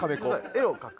絵を描く？